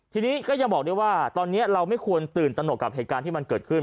ทีนี้ก็ยังบอกได้ว่าตอนนี้เราไม่ควรตื่นตนกกับเหตุการณ์ที่มันเกิดขึ้น